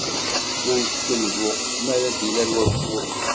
Wtet lbuq mi ara d-ilal wayyur.